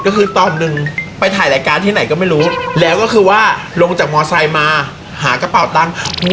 ก็คือตอนหนึ่งไปถ่ายรายการที่ไหนก็ไม่รู้แล้วก็คือว่าลงจากมอไซค์มาหากระเป๋าตังค์